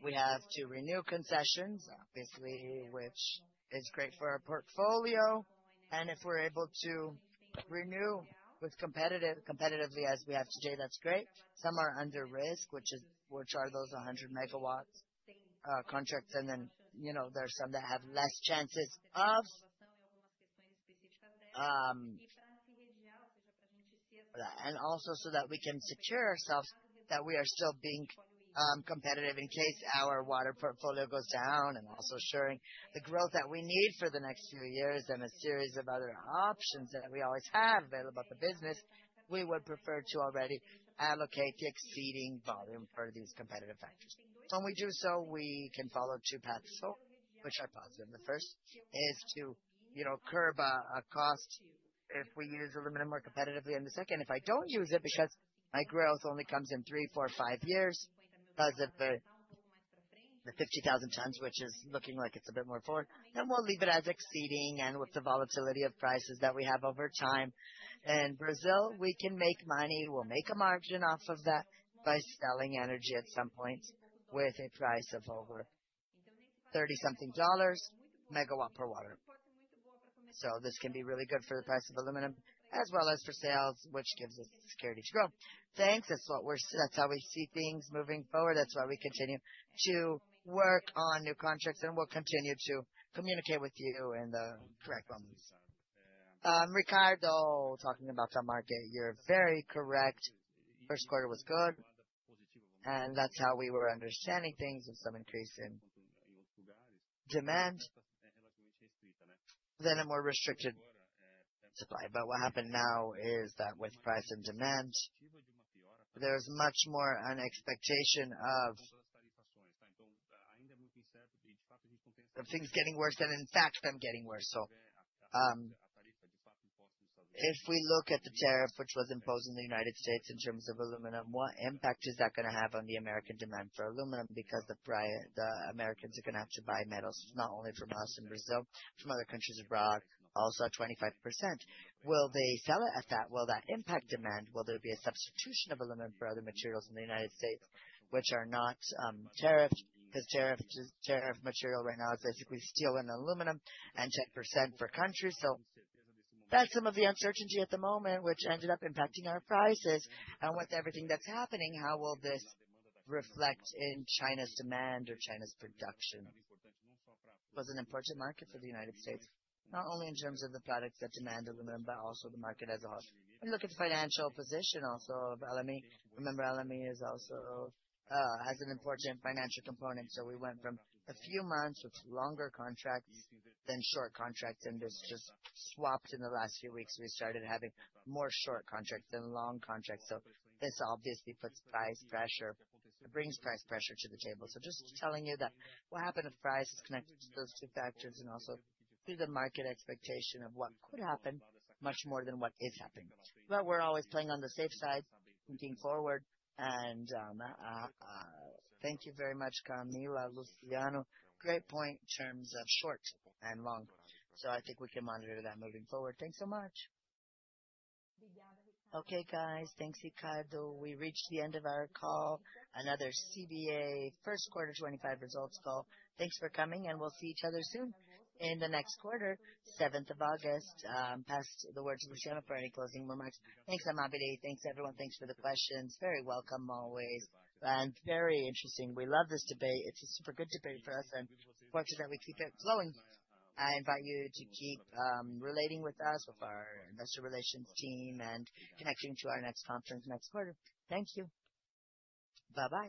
We have to renew concessions, obviously, which is great for our portfolio. If we are able to renew competitively as we have today, that is great. Some are under risk, which are those 100 megawatts contracts, and then there are some that have less chances of, and also so that we can secure ourselves that we are still being competitive in case our water portfolio goes down, and also assuring the growth that we need for the next few years, and a series of other options that we always have available at the business, we would prefer to already allocate the exceeding volume for these competitive factors. When we do so, we can follow two paths, which are positive. The first is to curb a cost if we use aluminum more competitively, and the second, if I do not use it because my growth only comes in three, four, five years because of the 50,000 tons, which is looking like it is a bit more forward, then we will leave it as exceeding, and with the volatility of prices that we have over time in Brazil, we can make money. We will make a margin off of that by selling energy at some point with a price of over $30-something per megawatt per water. This can be really good for the price of aluminum as well as for sales, which gives us the security to grow. Thanks. That is how we see things moving forward. That's why we continue to work on new contracts, and we'll continue to communicate with you in the correct moments. Ricardo, talking about the market, you're very correct. First quarter was good, and that's how we were understanding things of some increase in demand than a more restricted supply. What happened now is that with price and demand, there's much more an expectation of things getting worse than in fact them getting worse. If we look at the tariff which was imposed in the United States in terms of aluminum, what impact is that going to have on the American demand for aluminum? Because the Americans are going to have to buy metals, not only from us in Brazil, from other countries abroad, also at 25%. Will they sell it at that? Will that impact demand? Will there be a substitution of aluminum for other materials in the United States, which are not tariffed? Because tariff material right now is basically steel and aluminum, and 10% for countries. That is some of the uncertainty at the moment, which ended up impacting our prices. With everything that is happening, how will this reflect in China's demand or China's production? It was an important market for the United States, not only in terms of the products that demand aluminum, but also the market as a whole. Look at the financial position also of LME. Remember, LME has an important financial component. We went from a few months with longer contracts than short contracts, and this just swapped in the last few weeks. We started having more short contracts than long contracts. This obviously puts price pressure, brings price pressure to the table. Just telling you that what happened to price is connected to those two factors and also to the market expectation of what could happen much more than what is happening. We are always playing on the safe side looking forward. Thank you very much, Camila, Luciano. Great point in terms of short and long. I think we can monitor that moving forward. Thanks so much. Okay, guys. Thanks, Ricardo. We reached the end of our call. Another CBA first quarter 2025 results call. Thanks for coming, and we will see each other soon in the next quarter, 7th of August. Pass the word to Luciano for any closing remarks. Thanks, Amabile. Thanks, everyone. Thanks for the questions. Very welcome always. Very interesting. We love this debate. It is a super good debate for us, and fortunate that we keep it flowing. I invite you to keep relating with us, with our investor relations team, and connecting to our next conference next quarter. Thank you. Bye-bye.